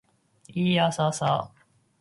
いーやーさーさ